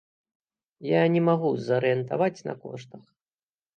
Я не магу зарыентаваць на коштах.